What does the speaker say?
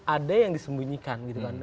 ada yang disembunyikan gitu kan